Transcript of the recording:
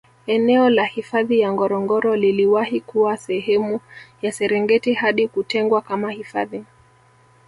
Eneo la hifadhi ya Ngorongoro liliwahi kuwa sehemu ya Serengeti hadi kutengwa kama hifadhi